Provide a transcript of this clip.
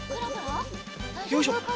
よいしょ。